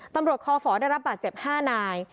ตำรวจคฝได้รับบาดเจ็บ๕นาย